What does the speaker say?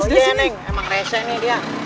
emang rese nih dia